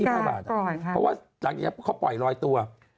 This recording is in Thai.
เพราะว่าข้าเป่อยรอยตัว